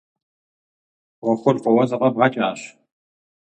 ӏуэхур фӏыуэ зэфӏэбгъэкӏащ.